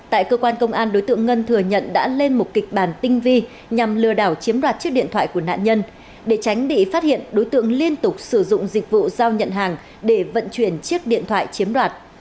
tại cơ quan công an đối tượng ngân thừa nhận đã lên một kịch bản tinh vi nhằm lừa đảo chiếm đoạt chiếc điện thoại của nạn nhân để tránh bị phát hiện đối tượng liên tục sử dụng dịch vụ giao nhận hàng để vận chuyển chiếc điện thoại chiếm đoạt